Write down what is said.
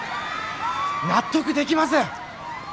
納得できません。